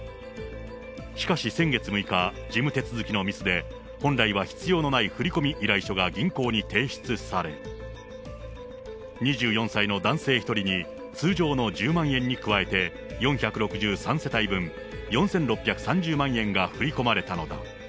しかし先月６日、事務手続きのミスで、本来は必要のない振り込み依頼書が銀行に提出され、２４歳の男性１人に、通常の１０万円に加えて、４６３世帯分４６３０万円が振り込まれたのだ。